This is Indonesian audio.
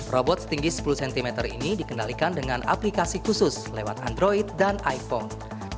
robot setinggi sepuluh cm ini dikendalikan dengan aplikasi khusus lewat android dan iphone